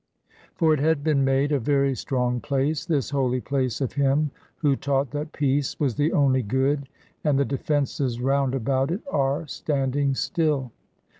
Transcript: For it had been made a very strong place, this holy place of him who taught that peace was the only good, and the defences round about it are standing still.